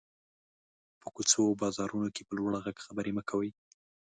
په کوڅو او بازارونو کې په لوړ غږ خبري مه کوٸ.